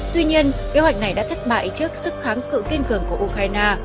tuy nhiên kế hoạch này đã thất bại trước sức kháng cự kiên cường của ukraine